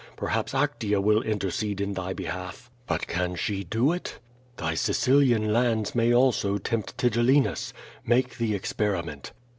Perhaps Actea will intercede in thy behalf. But can she do it? Thy Sicilian lands may also tempt Tigellinus. Make the experiment."